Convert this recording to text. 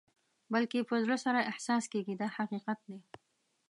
بلکې په زړه سره احساس کېږي دا حقیقت دی.